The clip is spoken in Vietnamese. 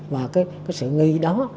và cái sự nghi đó